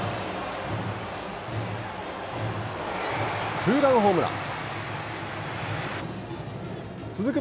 ツーランホームラン。